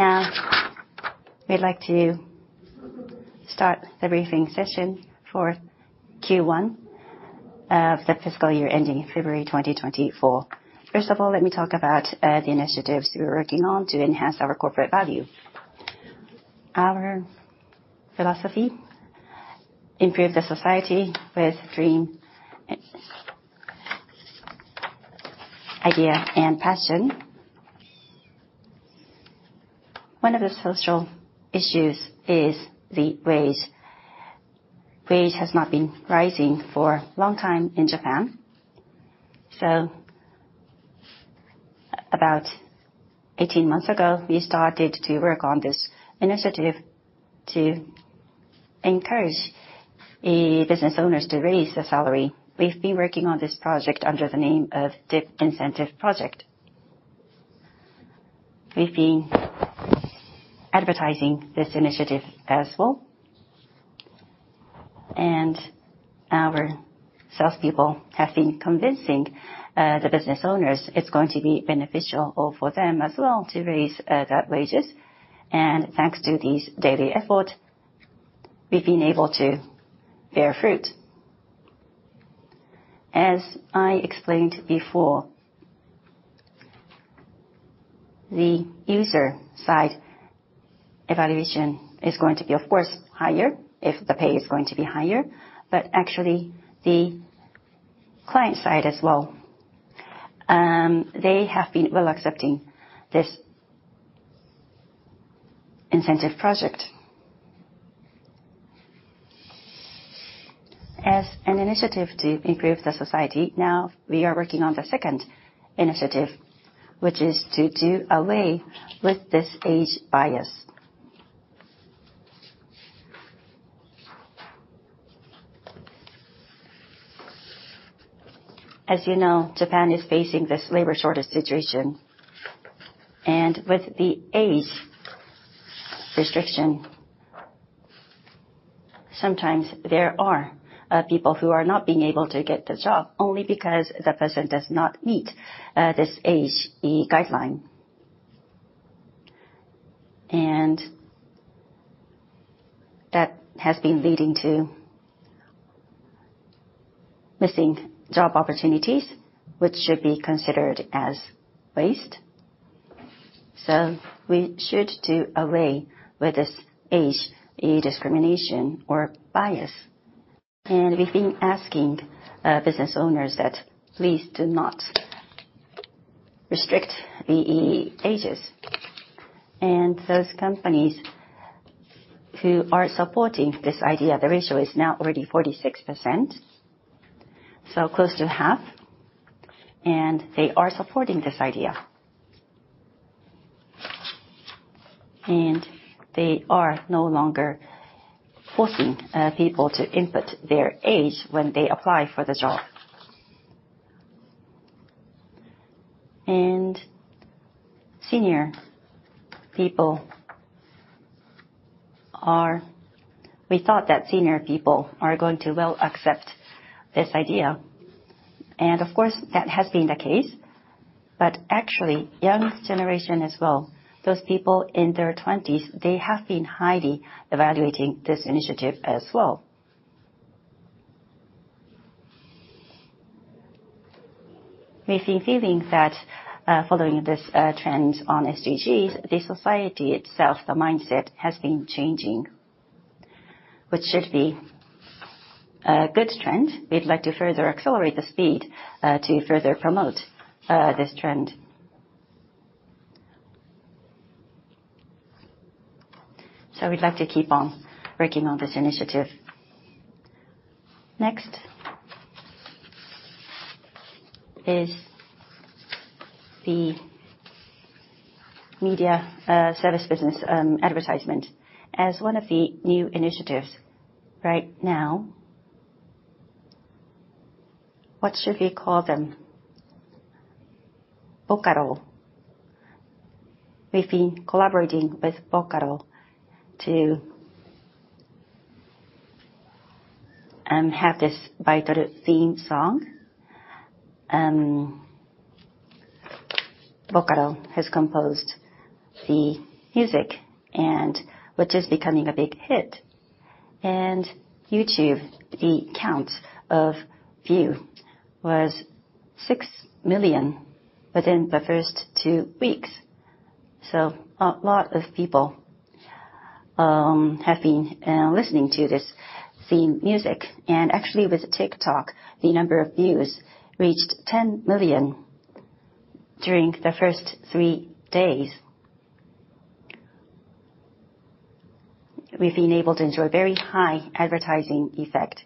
Now we'd like to start the briefing session for Q1 of the fiscal year ending February 2024. First of all, let me talk about the initiatives we're working on to enhance our corporate value. Our philosophy, improve the society with dream, idea, and passion. One of the social issues is the wage. Wage has not been rising for long time in Japan. About 18 months ago, we started to work on this initiative to encourage the business owners to raise the salary. We've been working on this project under the name of dip Incentive Project. We've been advertising this initiative as well, our salespeople have been convincing the business owners it's going to be beneficial for them as well to raise the wages. Thanks to this daily effort, we've been able to bear fruit. As I explained before, the user side evaluation is going to be of course higher if the pay is going to be higher. Actually, the client side as well, they have been well accepting this dip Incentive Project. As an initiative to improve the society, now we are working on the second initiative, which is to do away with this age bias. As you know, Japan is facing this labor shortage situation, and with the age restriction, sometimes there are people who are not being able to get the job only because the person does not meet this age, the guideline. That has been leading to missing job opportunities, which should be considered as waste. We should do away with this age discrimination or bias. We've been asking business owners that please do not restrict the ages. Those companies who are supporting this idea, the ratio is now already 46%, so close to half, and they are supporting this idea. They are no longer forcing people to input their age when they apply for the job. We thought that senior people are going to well accept this idea, and of course, that has been the case. Actually, young generation as well, those people in their twenties, they have been highly evaluating this initiative as well. We've been feeling that following this trend on SDGs, the society itself, the mindset has been changing, which should be a good trend. We'd like to further accelerate the speed to further promote this trend. We'd like to keep on working on this initiative. Next is the media service business, advertisement as one of the new initiatives right now. What should we call them? Vocaloid. We've been collaborating with Vocaloid to have this Baitoru theme song. Vocaloid has composed the music and which is becoming a big hit. YouTube, the count of view was six million within the first two weeks. A lot of people have been listening to this theme music. Actually with TikTok, the number of views reached 10 million during the first three days. We've been able to enjoy very high advertising effect.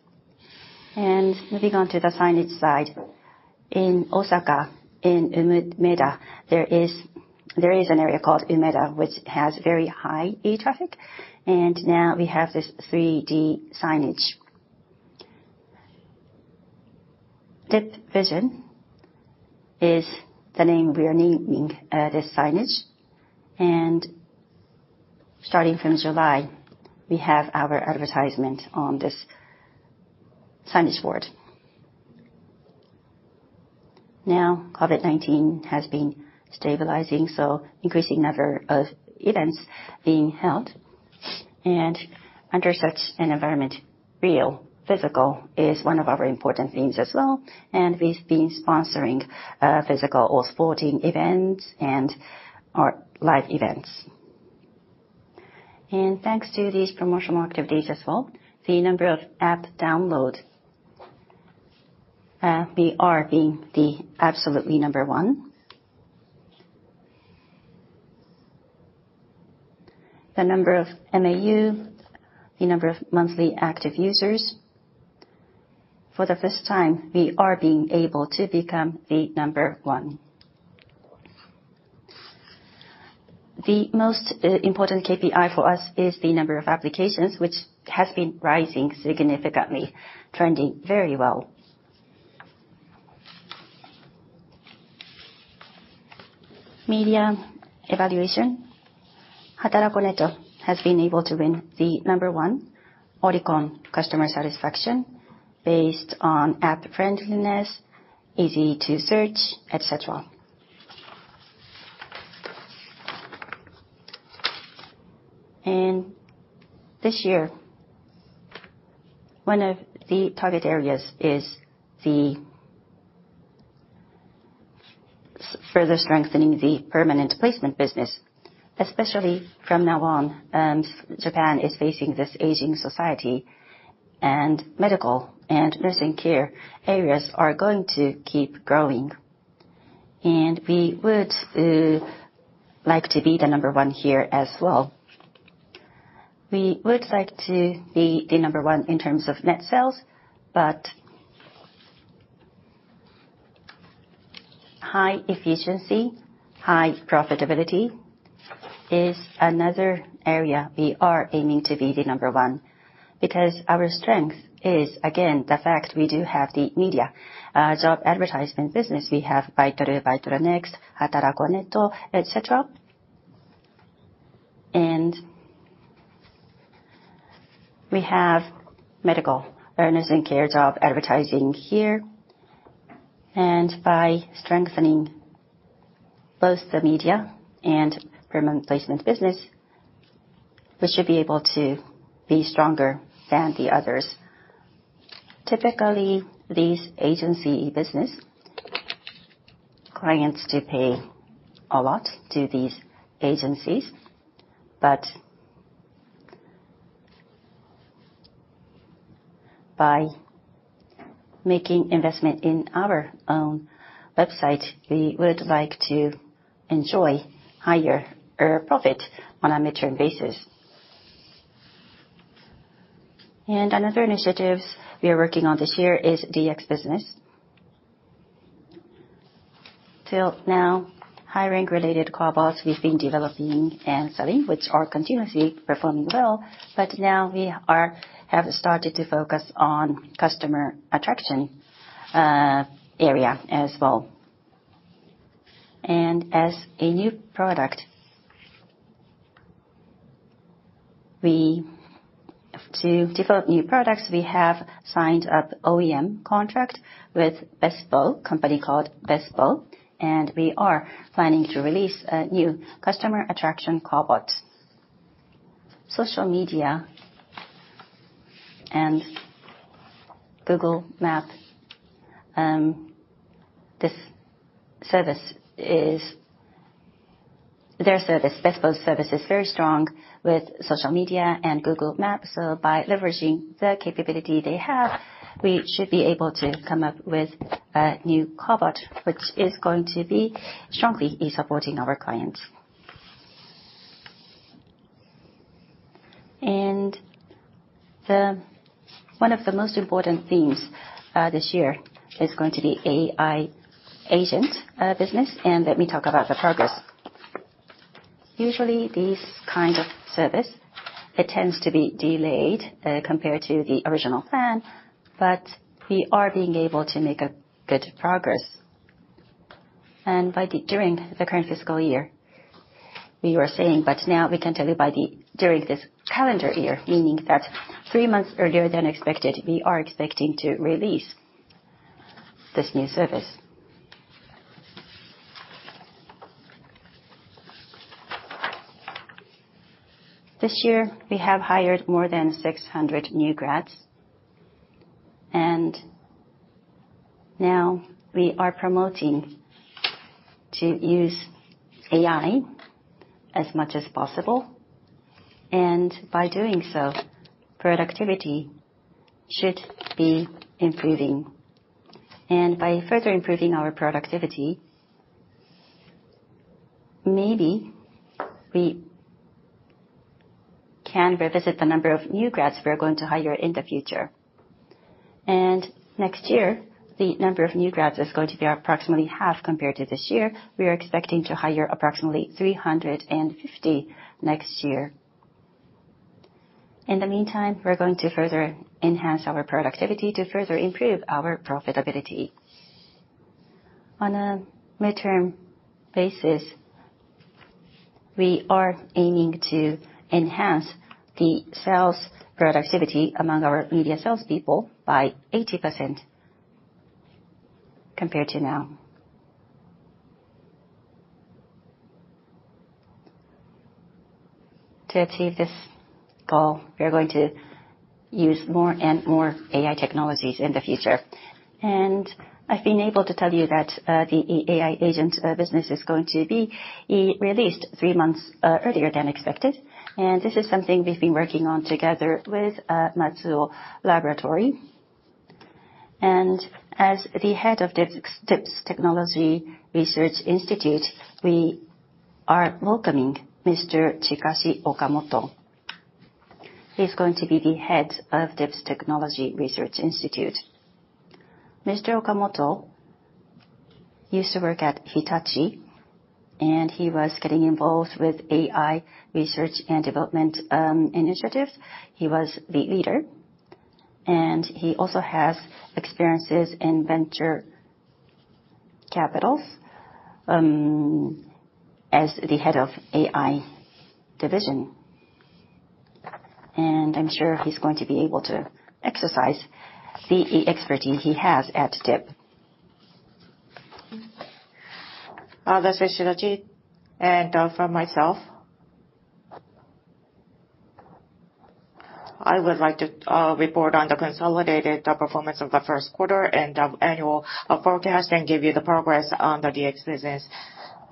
Moving on to the signage side. In Osaka, in Umeda, there is an area called Umeda which has very high traffic, and now we have this 3D signage. dip VISION is the name we are naming this signage. Starting from July, we have our advertisement on this signage board. Now, COVID-19 has been stabilizing, so increasing number of events being held. Under such an environment, real physical is one of our important themes as well. We've been sponsoring physical or sporting events and our live events. Thanks to these promotional activities as well, the number of app download, we are being the absolutely number one. The number of MAU, the number of monthly active users, for the first time, we are being able to become the number one. The most important KPI for us is the number of applications, which has been rising significantly, trending very well. Media evaluation. Hatarako.net has been able to win the number one Oricon customer satisfaction based on app friendliness, easy to search, et cetera. This year, one of the target areas is the further strengthening the permanent placement business, especially from now on, Japan is facing this aging society, and medical and nursing care areas are going to keep growing. We would like to be the number one here as well. We would like to be the number one in terms of net sales, but high efficiency, high profitability is another area we are aiming to be the number one. Because our strength is, again, the fact we do have the media, job advertisement business. We have Baitoru NEXT, Hatarako.net, et cetera. We have medical nursing care job advertising here. By strengthening both the media and permanent placement business, we should be able to be stronger than the others. Typically, these agency business, clients do pay a lot to these agencies. By making investment in our own website, we would like to enjoy higher profit on a midterm basis. Another initiatives we are working on this year is DX business. Till now, hiring related KOBOTs we've been developing and selling, which are continuously performing well. Now we have started to focus on customer attraction area as well. As a new product, we have signed up OEM contract with Bestal, company called Bestal, and we are planning to release a new customer attraction KOBOT. Social media and Google Maps, this service is their service. Bestal's service is very strong with social media and Google Maps. By leveraging the capability they have, we should be able to come up with a new KOBOT which is going to be strongly supporting our clients. One of the most important themes this year is going to be AI agent business, and let me talk about the progress. Usually, these kind of service, it tends to be delayed compared to the original plan, but we are being able to make a good progress. During the current fiscal year, we were saying, but now we can tell you during this calendar year, meaning that three months earlier than expected, we are expecting to release this new service. This year, we have hired more than 600 new grads, and now we are promoting to use AI as much as possible. By doing so, productivity should be improving. By further improving our productivity, maybe we can revisit the number of new grads we are going to hire in the future. Next year, the number of new grads is going to be approximately half compared to this year. We are expecting to hire approximately 350 next year. In the meantime, we're going to further enhance our productivity to further improve our profitability. On a midterm basis. We are aiming to enhance the sales productivity among our media salespeople by 80% compared to now. To achieve this goal, we are going to use more and more AI technologies in the future. I've been able to tell you that the AI agent business is going to be released three months earlier than expected. This is something we've been working on together with Matsuo Laboratory. As the head of DIP's Technology Research Institute, we are welcoming Mr. Chikashi Okamoto. He's going to be the head of DIP's Technology Research Institute. Mr. Okamoto used to work at Hitachi, and he was getting involved with AI research and development initiatives. He was the leader, and he also has experiences in venture capitals as the head of AI division. I'm sure he's going to be able to exercise the expertise he has at DIP. That's Shidachi. From myself, I would like to report on the consolidated performance of the Q1 and annual forecast, and give you the progress on the DX business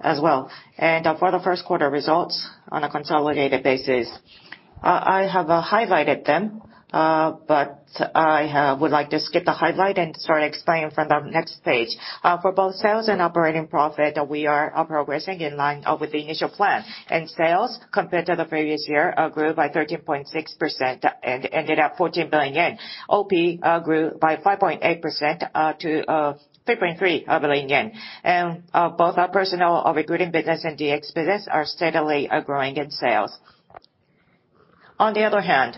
as well. For the Q1 results on a consolidated basis, I have highlighted them, but I would like to skip the highlight and start explaining from the next page. For both sales and operating profit, we are progressing in line with the initial plan. Sales, compared to the previous year, grew by 13.6% and ended at 14 billion yen. OP grew by 5.8% to 3.3 billion yen. Both our personnel recruiting business and DX business are steadily growing in sales. On the other hand,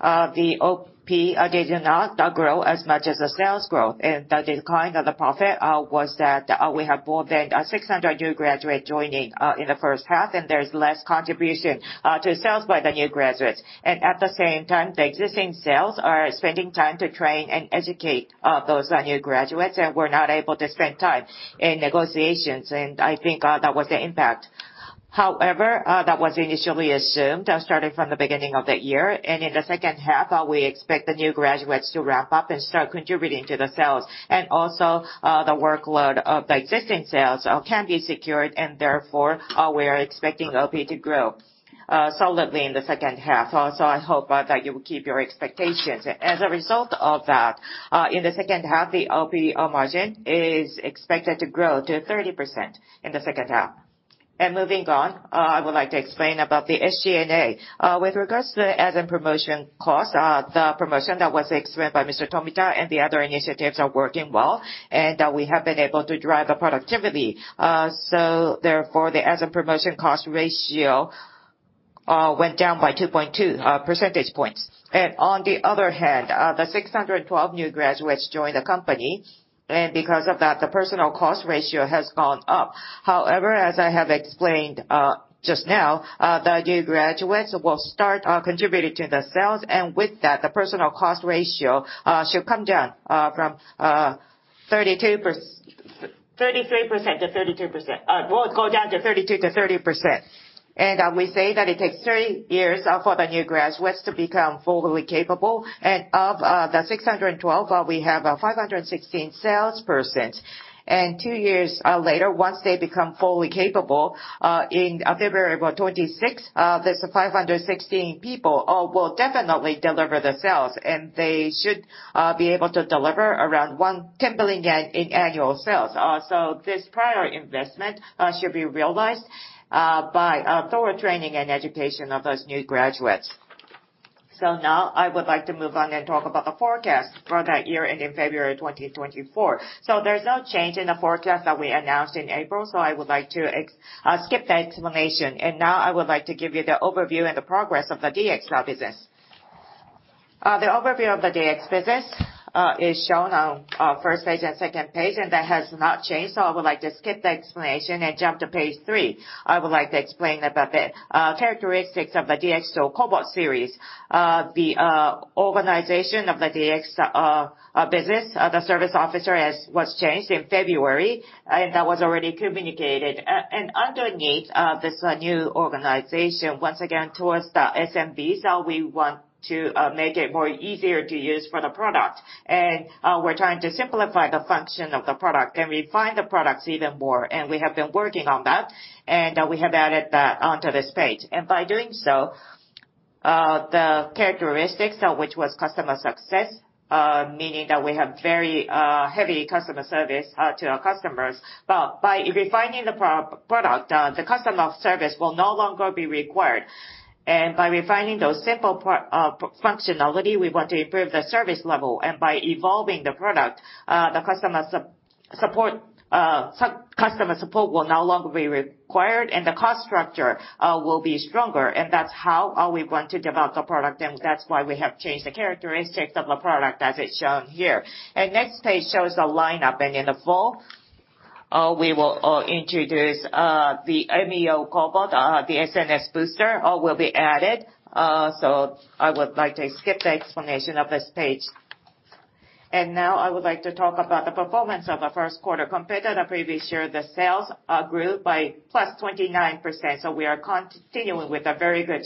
the OP did not grow as much as the sales growth. The decline of the profit was that we have more than 600 new graduate joining in the H1, and there's less contribution to sales by the new graduates. At the same time, the existing sales are spending time to train and educate those new graduates and were not able to spend time in negotiations, and I think that was the impact. That was initially assumed starting from the beginning of the year. In the H2, we expect the new graduates to wrap up and start contributing to the sales. The workload of the existing sales can be secured and therefore, we are expecting OP to grow solidly in the H2. I hope that you will keep your expectations. As a result of that, in the H2, the OPR margin is expected to grow to 30% in the H2. I would like to explain about the SGA. With regards to the ads and promotion costs, the promotion that was explained by Mr. Tomita and the other initiatives are working well, and we have been able to drive the productivity. The ads and promotion cost ratio went down by 2.2 percentage points. On the other hand, the 612 new graduates joined the company, and because of that, the personal cost ratio has gone up. However, as I have explained just now, the new graduates will start contributing to the sales. With that, the personal cost ratio should come down from 33%-32%. Will go down to 32%-30%. We say that it takes three years for the new graduates to become fully capable. Of the 612, we have 516 salespersons. Two years later, once they become fully capable, in February of 2026, these 516 people will definitely deliver the sales, and they should be able to deliver around 10 billion yen in annual sales. This prior investment should be realized by thorough training and education of those new graduates. Now I would like to move on and talk about the forecast for the year ending February 2024. There's no change in the forecast that we announced in April, I would like to skip the explanation. Now I would like to give you the overview and the progress of the DX cloud business. The overview of the DX business is shown on page one and page two. That has not changed, so I would like to skip the explanation and jump to page three. I would like to explain about the characteristics of the DX KOBOT series. The organization of the DX business, the service officer was changed in February. That was already communicated. Underneath this new organization, once again, towards the SMB, so we want to make it more easier to use for the product. We're trying to simplify the function of the product and refine the products even more. We have been working on that, and we have added that onto this page. By doing so, the characteristics of which was customer success, meaning that we have very heavy customer service to our customers. By refining the product, the customer service will no longer be required. By refining those simple part functionality, we want to improve the service level. By evolving the product, the customer support will no longer be required, and the cost structure will be stronger. That's how we want to develop the product, and that's why we have changed the characteristics of the product as it's shown here. Next page shows the lineup. In the fall, we will introduce the MEO KOBOT, the SNS Booster KOBOT will be added. I would like to skip the explanation of this page. I would like to talk about the performance of the Q1. Compared to the previous year, the sales grew by +29%, so we are continuing with a very good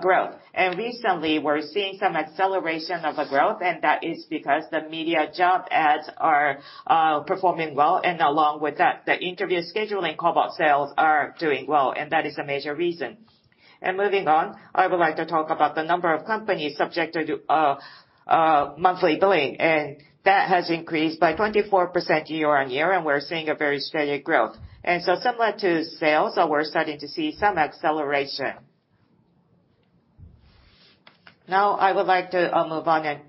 growth. Recently we're seeing some acceleration of the growth, and that is because the media job ads are performing well, and along with that, the interview scheduling KOBOT sales are doing well, and that is a major reason. I would like to talk about the number of companies subjected to monthly billing, and that has increased by 24% year-on-year, and we're seeing a very steady growth. Similar to sales, we're starting to see some acceleration. Now I would like to move on and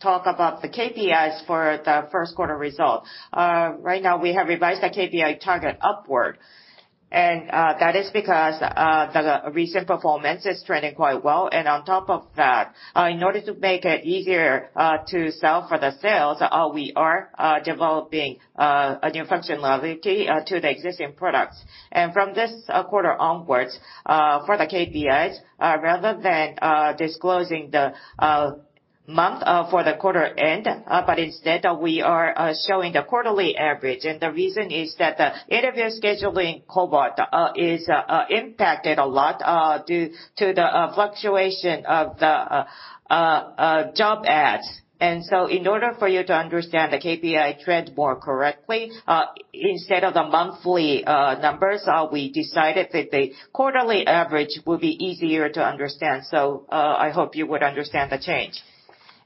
talk about the KPIs for the Q1 results. Right now we have revised the KPI target upward, that is because the recent performance is trending quite well. On top of that, in order to make it easier to sell for the sales, we are developing a new functionality to the existing products. From this quarter onwards, for the KPIs, rather than disclosing the month for the quarter end, but instead we are showing the quarterly average. The reason is that the interview scheduling KOBOT is impacted a lot due to the fluctuation of the job ads. In order for you to understand the KPI trend more correctly, instead of the monthly numbers, we decided that the quarterly average will be easier to understand. I hope you would understand the change.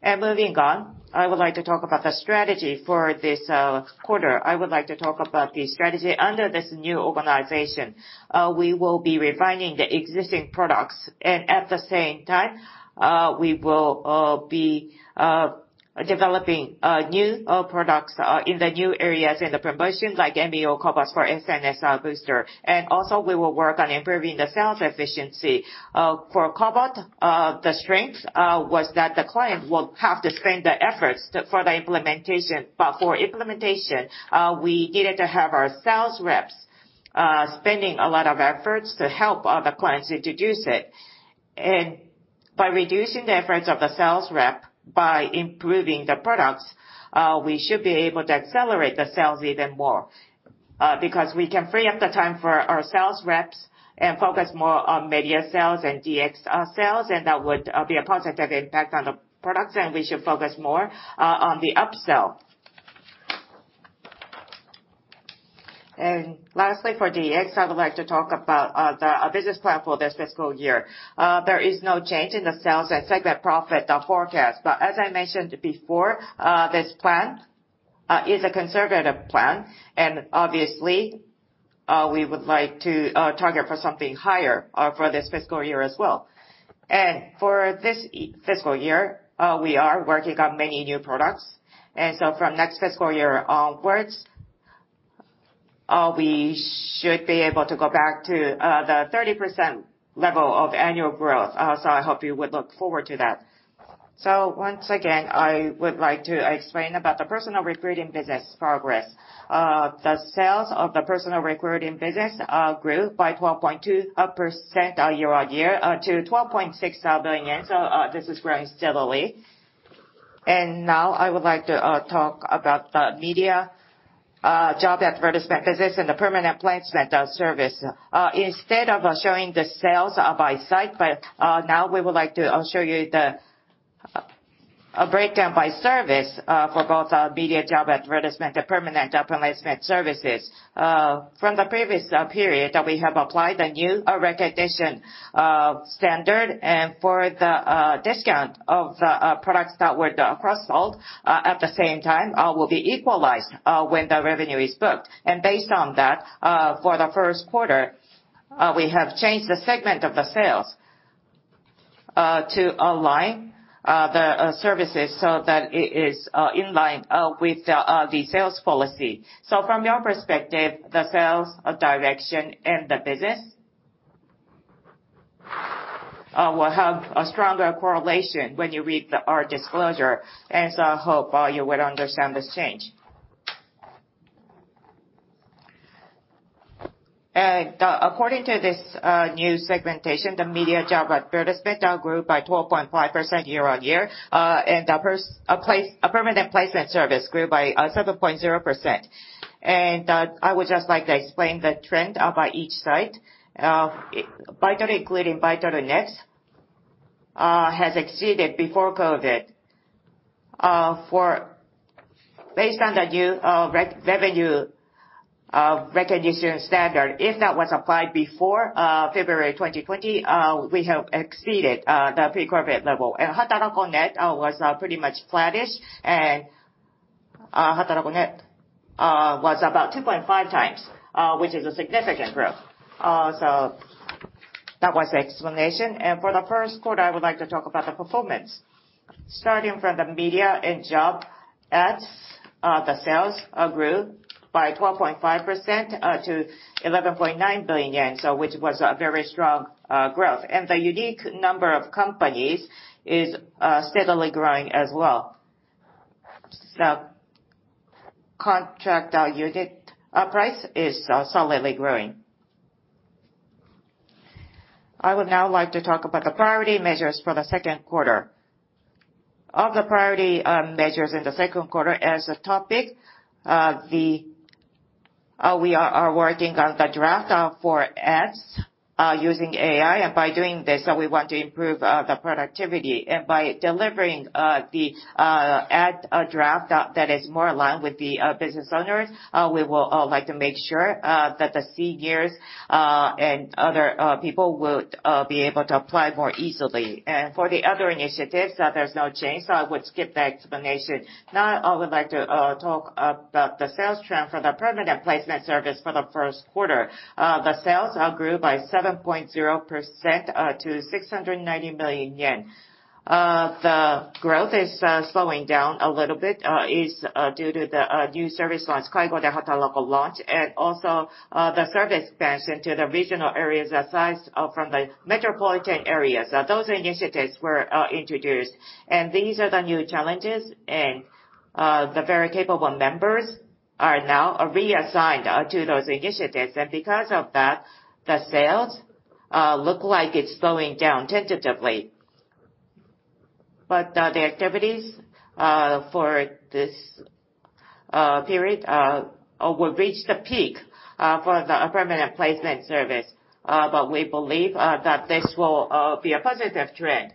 Moving on, I would like to talk about the strategy for this quarter. I would like to talk about the strategy under this new organization. We will be refining the existing products, and at the same time, we will be developing new products in the new areas in the promotion like MEO KOBOTs for SNS Booster. Also we will work on improving the sales efficiency. For KOBOT, the strength was that the client will have to spend the efforts for the implementation. For implementation, we needed to have our sales reps spending a lot of efforts to help the clients introduce it. By reducing the efforts of the sales rep by improving the products, we should be able to accelerate the sales even more because we can free up the time for our sales reps and focus more on Media sales and DX sales, and that would be a positive impact on the products, and we should focus more on the upsell. Lastly, for DX, I would like to talk about the business plan for this fiscal year. There is no change in the sales and segment profit forecast. As I mentioned before, this plan is a conservative plan, and obviously, we would like to target for something higher for this fiscal year as well. For this fiscal year, we are working on many new products. From next fiscal year onwards, we should be able to go back to the 30% level of annual growth. I hope you would look forward to that. Once again, I would like to explain about the personnel recruiting business progress. The sales of the personnel recruiting business grew by 12.2% year-on-year to 12.6 billion yen. This is growing steadily. Now I would like to talk about the media job advertisement business and the permanent placement service. Instead of showing the sales by site, now we would like to show you the a breakdown by service for both media job advertisement and permanent placement services. From the previous period, we have applied a new recognition standard, and for the discount of the products that were cross-sold at the same time will be equalized when the revenue is booked. Based on that, for the Q1, we have changed the segment of the sales to align the services so that it is in line with the sales policy. From your perspective, the sales direction and the business will have a stronger correlation when you read our disclosure. I hope you will understand this change. According to this new segmentation, the media job advertisement grew by 12.5% year-on-year. Permanent placement service grew by 7.0%. I would just like to explain the trend by each site. Baitoru including Baitoru NEXT has exceeded before COVID, for based on the new revenue recognition standard, if that was applied before February 2020, we have exceeded the pre-COVID level. Hatarako.net was pretty much flattish, Hatarako.net was about 2.5 times, which is a significant growth. That was the explanation. For the Q1, I would like to talk about the performance. Starting from the media and job ads, the sales grew by 12.5% to 11.9 billion yen, which was a very strong growth. The unique number of companies is steadily growing as well. The contract unit price is solidly growing. I would now like to talk about the priority measures for the Q2. Of the priority measures in the Q2 as a topic, we are working on the draft for ads using AI. By doing this, we want to improve the productivity. By delivering the ad draft that is more aligned with the business owners, we will like to make sure that the seniors and other people will be able to apply more easily. For the other initiatives, there's no change, so I would skip the explanation. Now I would like to talk about the sales trend for the permanent placement service for the Q1. The sales grew by 7.0% to 690 million yen. The growth is slowing down a little bit, is due to the new service launch, Kaigo de Hatarako launch, and also the service expansion to the regional areas aside from the metropolitan areas. Those initiatives were introduced. These are the new challenges, and the very capable members are now reassigned to those initiatives. Because of that, the sales look like it's slowing down tentatively. The activities for this period will reach the peak for the permanent placement service. We believe that this will be a positive trend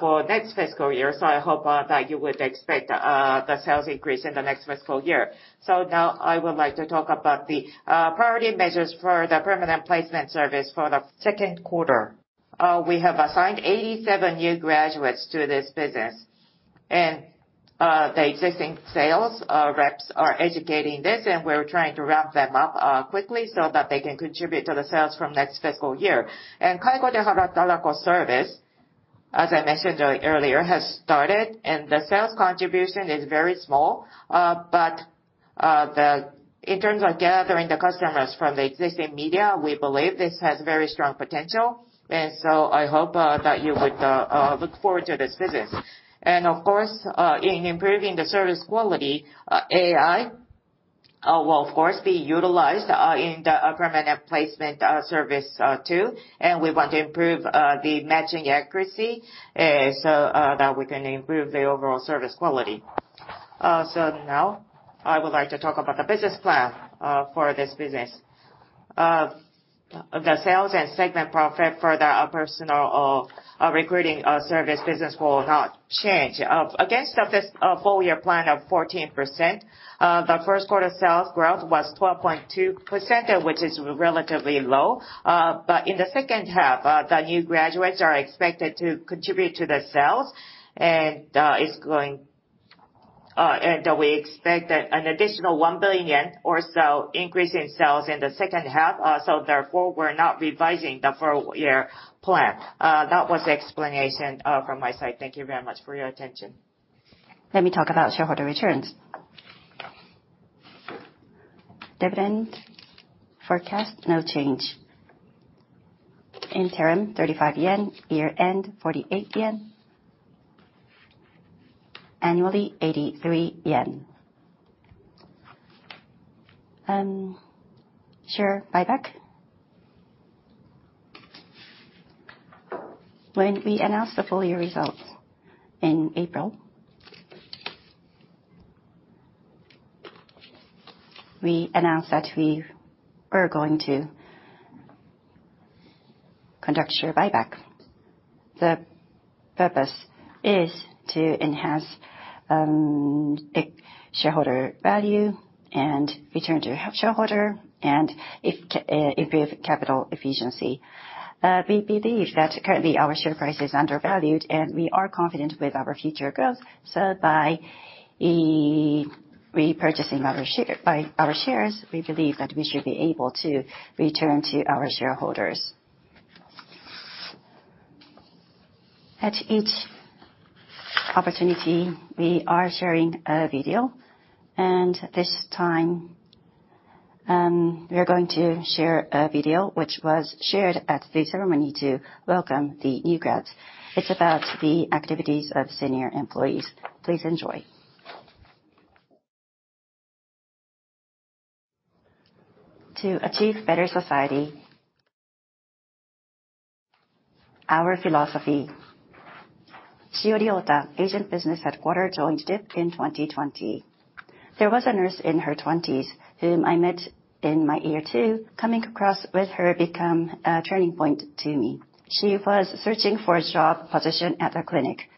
for next fiscal year. I hope that you would expect the sales increase in the next fiscal year. Now I would like to talk about the priority measures for the permanent placement service for the Q2. We have assigned 87 new graduates to this business. The existing sales reps are educating this, and we're trying to ramp them up quickly so that they can contribute to the sales from next fiscal year. Kaigo de Hatarako service, as I mentioned earlier, has started, and the sales contribution is very small. In terms of gathering the customers from the existing media, we believe this has very strong potential. I hope that you would look forward to this business. Of course, in improving the service quality, AI will of course be utilized in the permanent placement service too. We want to improve the matching accuracy so that we can improve the overall service quality. Now I would like to talk about the business plan for this business. The sales and segment profit for the personnel recruiting service business will not change. Against the full year plan of 14%, the Q1 sales growth was 12.2%, which is relatively low. In the H2, the new graduates are expected to contribute to the sales and we expect that an additional 1 billion yen or so increase in sales in the H2. Therefore, we're not revising the full year plan. That was the explanation from my side. Thank you very much for your attention. Let me talk about shareholder returns. Dividend forecast, no change. Interim 35 yen. Year-end 48 yen. Annually 83 yen. Share buyback. When we announced the full year results in April, we announced that we were going to conduct share buyback. The purpose is to enhance shareholder value and return to shareholder and improve capital efficiency. We believe that currently our share price is undervalued, and we are confident with our future growth. By repurchasing our shares, we believe that we should be able to return to our shareholders. At each opportunity, we are sharing a video, and this time, we are going to share a video which was shared at the ceremony to welcome the new grads. It's about the activities of senior employees. Please enjoy. To achieve better society. Our philosophy. Shiori Ota, Agent Business Headquarter, joined DIP in 2020. There was a nurse in her twenties whom I met in my year two. Coming across with her become a turning point to me. She was searching for a job position at the clinic.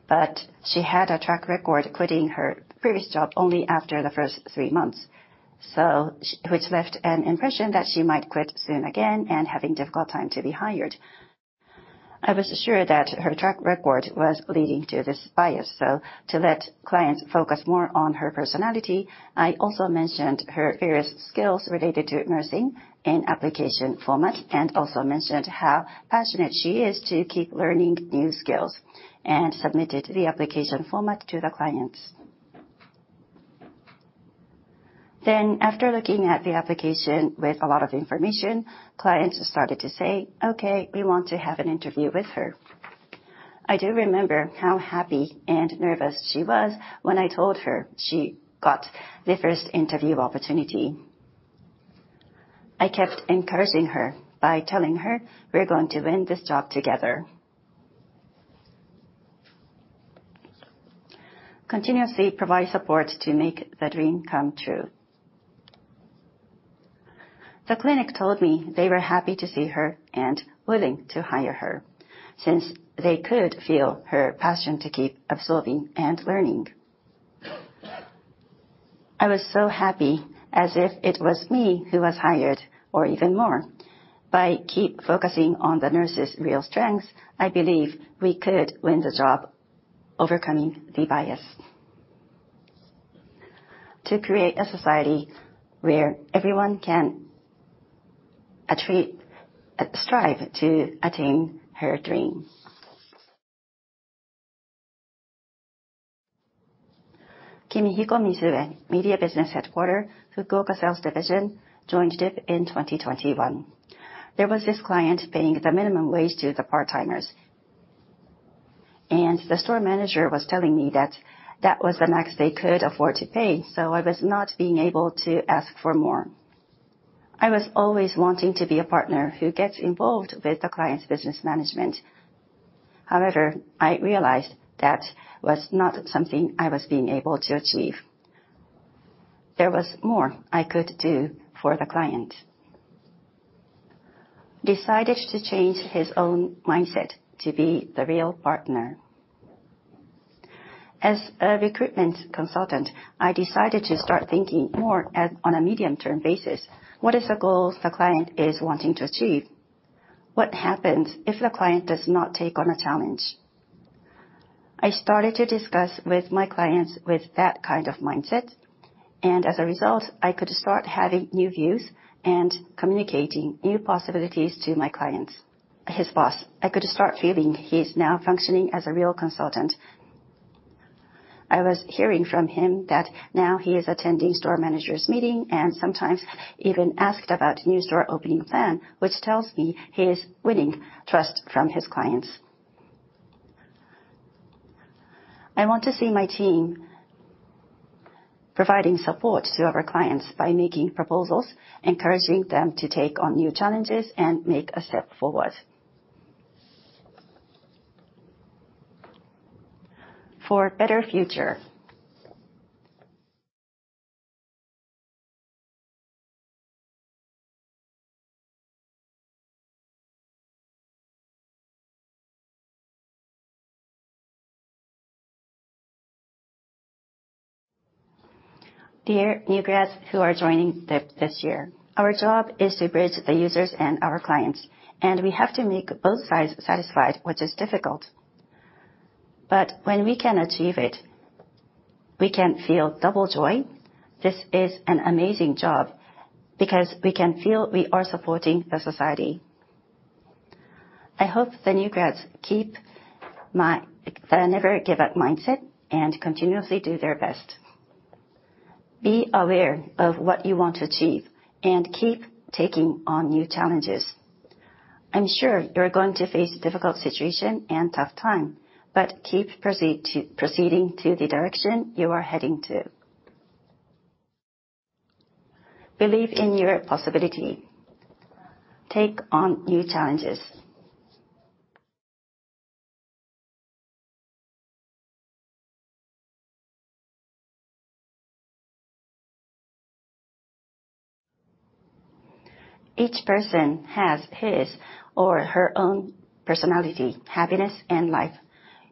She had a track record quitting her previous job only after the first three months. Which left an impression that she might quit soon again and having difficult time to be hired. I was assured that her track record was leading to this bias. To let clients focus more on her personality, I also mentioned her various skills related to nursing and application format, and also mentioned how passionate she is to keep learning new skills and submitted the application format to the clients. After looking at the application with a lot of information, clients started to say, "Okay, we want to have an interview with her."I do remember how happy and nervous she was when I told her she got the first interview opportunity. I kept encouraging her by telling her we're going to win this job together. Continuously provide support to make the dream come true. The clinic told me they were happy to see her and willing to hire her since they could feel her passion to keep absorbing and learning. I was so happy as if it was me who was hired or even more. By keep focusing on the nurse's real strengths, I believe we could win the job overcoming the bias. To create a society where everyone can strive to attain her dream. Kimihiko Mizue, Media Business Headquarter, Fukuoka Sales Division, joined DIP in 2021. There was this client paying the minimum wage to the part-timers. The store manager was telling me that that was the max they could afford to pay. I was not being able to ask for more. I was always wanting to be a partner who gets involved with the client's business management. However, I realized that was not something I was being able to achieve. There was more I could do for the client. Decided to change his own mindset to be the real partner. As a recruitment consultant, I decided to start thinking more on a medium-term basis. What is the goals the client is wanting to achieve? What happens if the client does not take on a challenge? I started to discuss with my clients with that kind of mindset and as a result, I could start having new views and communicating new possibilities to my clients. His boss. I could start feeling he's now functioning as a real consultant. I was hearing from him that now he is attending store managers meeting and sometimes even asked about new store opening plan, which tells me he is winning trust from his clients. I want to see my team providing support to our clients by making proposals, encouraging them to take on new challenges and make a step forward for a better future. Dear new grads who are joining DIP this year, our job is to bridge the users and our clients, and we have to make both sides satisfied, which is difficult. When we can achieve it, we can feel double joy. This is an amazing job because we can feel we are supporting the society. I hope the new grads keep my the never give up mindset and continuously do their best. Be aware of what you want to achieve and keep taking on new challenges. I'm sure you're going to face a difficult situation and tough time, keep proceeding to the direction you are heading to. Believe in your possibility. Take on new challenges. Each person has his or her own personality, happiness, and life.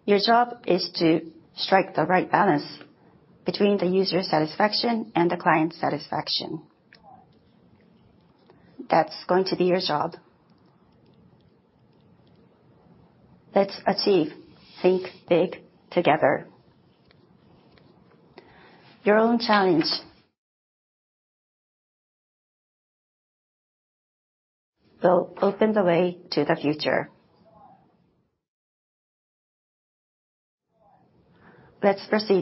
Your job is to strike the right balance between the user satisfaction and the client satisfaction. That's going to be your job. Think big together. Your own challenge will open the way to the future. Let's proceed.